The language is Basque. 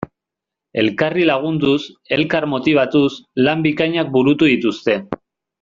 Elkarri lagunduz, elkar motibatuz, lan bikainak burutu dituzte.